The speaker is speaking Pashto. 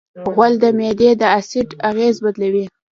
غول د معدې د اسید اغېز بدلوي.